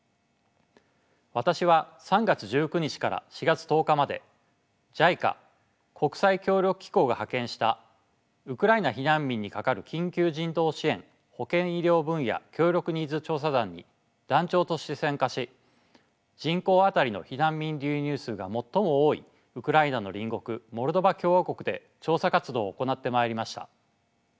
私は３月１９日から４月１０日までＪＩＣＡ国際協力機構が派遣した「ウクライナ避難民に係る緊急人道支援・保健医療分野協力ニーズ調査団」に団長として参加し人口当たりの避難民流入数が最も多いウクライナの隣国モルドバ共和国で調査活動を行ってまいりました。